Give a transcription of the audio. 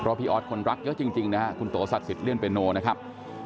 เคราะพี่ออสคนรักเยอะจริงนะฮะคุณโตสัตว์สิฟท์เรียนเป็นโหนูนะครับ